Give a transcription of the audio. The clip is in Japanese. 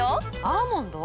アーモンド？